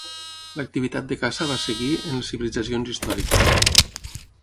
L'activitat de caça va seguir en les civilitzacions històriques.